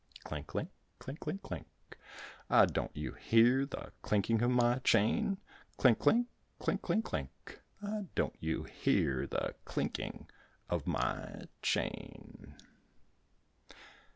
Clink, clink, clink, clink, clink, Ah, don't you hear the clinking of my chain? Clink, clink, clink, clink, clink, Ah, don't you hear the clinking of my chain?